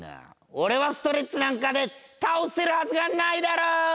俺はストレッチなんかで倒せるはずがないだろ！